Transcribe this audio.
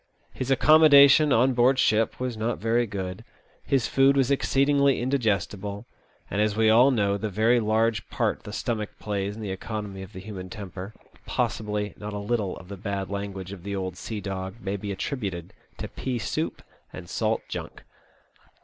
His accommodation on board ship was not very good, his food was exceedingly indigestible, and, as we all know the very large part the stomach plays in the economy of the human temper, possibly not a little of 108 THE OLD SEA DOG. the bad language of the old sea dog may be attributed to pea soup and salt junk.